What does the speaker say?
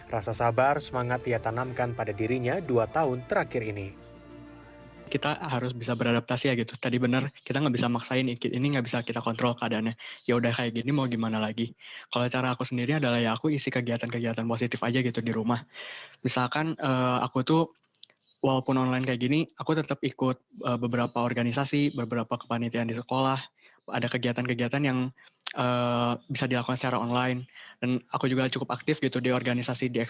rasa sabar semangat ia tanamkan pada dirinya dua tahun terakhir ini